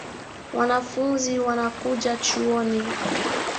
Wanafunzi wanakuja chuoni